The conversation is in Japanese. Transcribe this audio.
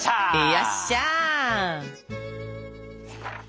よっしゃ！